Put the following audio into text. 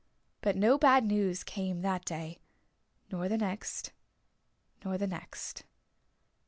But no bad news came that day nor the next nor the next.